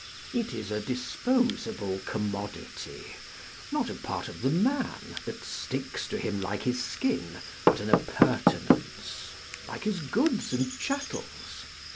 It is a disposable com modity,â€" not a part of the man, that sticks to him like his skin, but an appurtenance, like his goods and chattels.